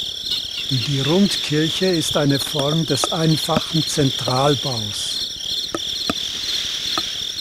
Die Rundkirche ist eine Form des einfachen Zentralbaus.